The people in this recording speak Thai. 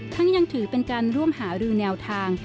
ยังถือเป็นการร่วมหารือแนวทาง